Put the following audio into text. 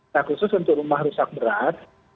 nah khusus untuk rumah rusak berat